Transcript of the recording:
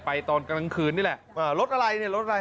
ตอนกลางคืนนี่แหละรถอะไรเนี่ยรถอะไร